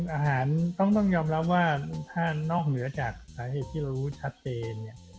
อาหารต้องยอมรับว่าถ้านอกเหนือจากสาเหตุที่เรารู้ชัดเจนเนี่ย